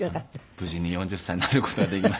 無事に４０歳になる事ができました。